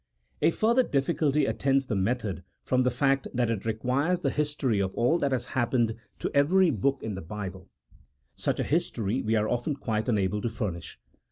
A further difficulty attends the method, from the fact that it requires the history of all that has happened to every book in the Bible ; such a history we are often quite unable to furnish.